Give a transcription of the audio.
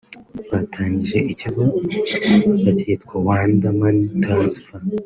Batangije Ikigo bacyita Wanda Money Transfer